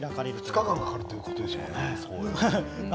２日間もかかるということですものね。